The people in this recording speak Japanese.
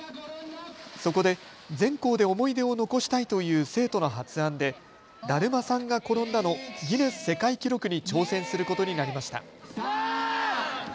そこで、全校で思い出を残したいという生徒の発案でだるまさんが転んだのギネス世界記録に挑戦することになりました。